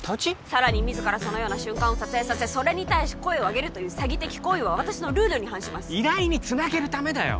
さらに自らそのような瞬間を撮影させそれに対し声を上げるという詐欺的行為は私のルールに反します依頼につなげるためだよ